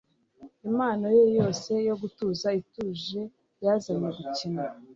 Impano ye yose yo gutuza ituje yazanye gukina